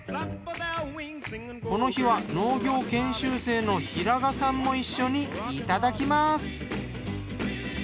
この日は農業研修生の平賀さんも一緒にいただきます。